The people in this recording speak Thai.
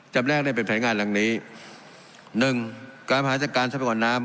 จำแรกได้เป็นแผนงานหลังนี้หนึ่งการบริหารจัดการทรัพยากรน้ำ